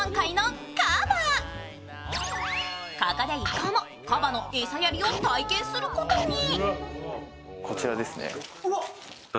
ここで一行もカバの餌やりを体験することに。